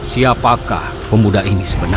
siapakah pemuda ini sebenarnya